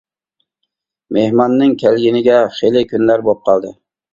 مېھماننىڭ كەلگىنىگە خېلى كۈنلەر بولۇپ قالدى.